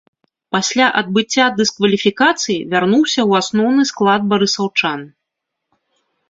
Пасля адбыцця дыскваліфікацыі вярнуўся ў асноўны склад барысаўчан.